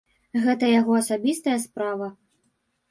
Гэта яго асабістая справа.